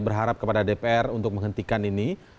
berharap kepada dpr untuk menghentikan ini